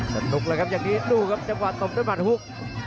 สนุกแล้วครับอย่างนี้ดูครับจำความตบด้วยมันฮุก